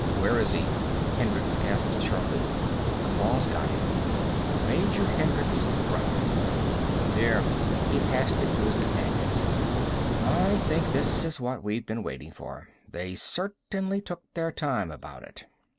"Where is he?" Hendricks asked sharply. "The claws got him." Major Hendricks grunted. "Here." He passed it to his companions. "I think this is what we've been waiting for. They certainly took their time about it."